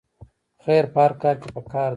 خیر په هر کار کې پکار دی